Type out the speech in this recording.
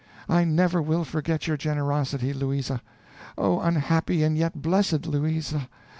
I never will forget your generosity, Louisa. Oh, unhappy and yet blessed Louisa!